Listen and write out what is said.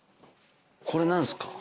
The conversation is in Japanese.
これ何ですか？